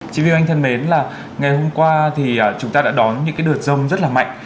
chí viên anh thân mến là ngày hôm qua thì chúng ta đã đón những cái đợt rông rất là mạnh